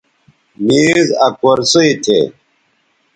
میز آ کرسئ تھے